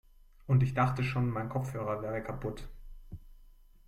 Und ich dachte schon, mein Kopfhörer wäre kaputt.